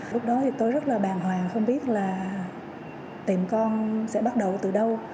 lúc đó thì tôi rất là bàng hoàng không biết là tìm con sẽ bắt đầu từ đâu